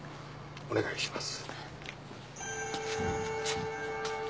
お願いします。